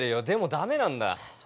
でも駄目なんだ。